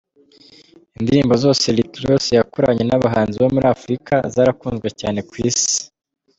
Indirimbo zose Rick Ross yakoranye n’abahanzi bo muri Afurika zarakunzwe cyane ku Isi.